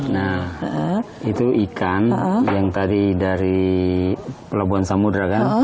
nah itu ikan yang tadi dari pelabuhan samudera kan